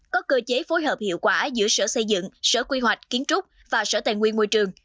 có cơ chế phối hợp hiệu quả giữa sở xây dựng sở quy hoạch kiến trúc và sở tài nguyên môi trường